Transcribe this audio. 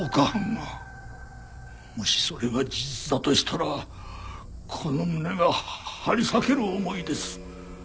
もしそれが事実だとしたらこの胸が張り裂ける思いです。